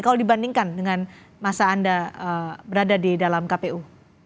kalau dibandingkan dengan masa anda berada di dalam kpu